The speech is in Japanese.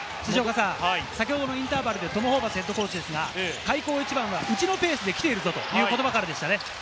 先ほどのインターバルでトム・ホーバスＨＣは開口一番、うちのペースで来ているぞという言葉からでしたね。